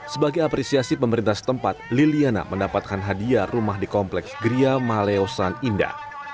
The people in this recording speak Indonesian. sebagai apresiasi pemerintah setempat liliana mendapatkan hadiah rumah di kompleks gria maleosan indah